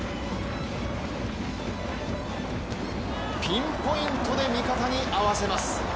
ピンポイントで味方に合わせます。